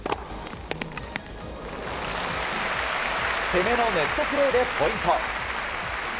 攻めのネットプレーでポイント。